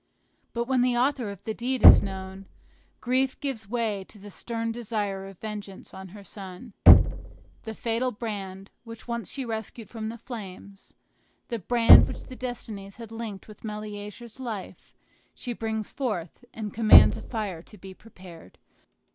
But when the author of the deed is known, grief gives way to the stern desire of vengeance on her son. The fatal brand, which once she rescued from the flames, the brand which the destinies had linked with Meleager's life, she brings forth, and commands a fire to be prepared.